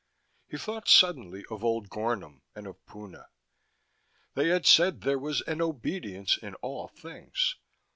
He thought suddenly of old Gornom, and of Puna. They had said there was an obedience in all things.